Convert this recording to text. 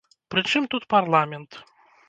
Пры чым тут парламент?